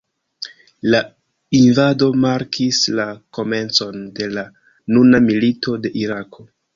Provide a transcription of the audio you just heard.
La invado markis la komencon de la nuna milito de Irako.